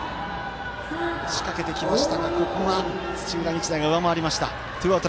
仕掛けてきましたが、ここは土浦日大が上回りました。